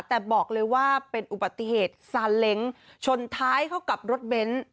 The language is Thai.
แต่บอกเลยว่าเป็นอุบัติเหตุซานเล้งชนท้ายเข้ากับรถเบนท์